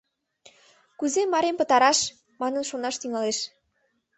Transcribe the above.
«Кузе Марим пытараш?» Манын шонаш тӱҥалеш...